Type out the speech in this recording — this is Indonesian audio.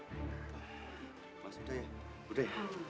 sekarang kita kemana mana